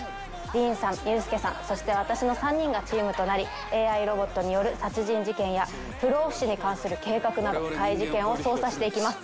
ディーンさん、ユースケさん、そして私の３人がチームとなり、ＡＩロボットによる殺人事件や不老不死に関する計画など怪事件を捜査していきます。